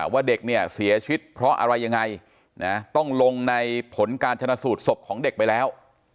ว่าเด็กเนี่ยเสียชีวิตเพราะอะไรยังไงต้องลงในผลการชนะสูตรศพของเด็กไปแล้ว